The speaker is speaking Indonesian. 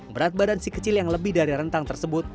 berat badan si kecil yang lebih dari rentang tersebut